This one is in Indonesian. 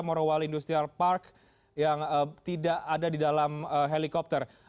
morowali industrial park yang tidak ada di dalam helikopter